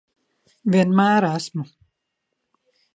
Vienmēr esmu.